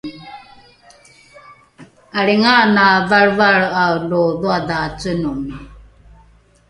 ’alringaana valrevalre’ae lo dhoadhaacenomi